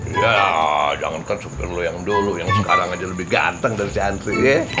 iya jangankan supir lo yang dulu yang sekarang aja lebih ganteng dari si andri